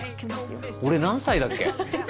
俺何歳だっけ？